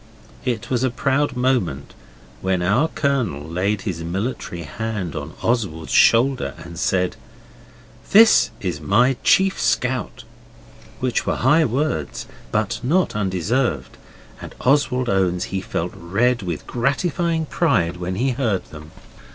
It was a proud moment when our Colonel laid his military hand on Oswald's shoulder and said 'This is my chief scout' which were high words, but not undeserved, and Oswald owns he felt red with gratifying pride when he heard them.